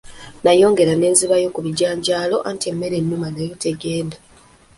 Nayongera ne nzibayo ku bijanjaalo, anti emmere ennuma nayo tegenda.